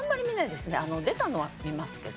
出たのは見ますけど。